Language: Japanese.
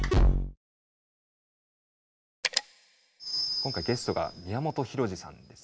今回ゲストが宮本浩次さんです。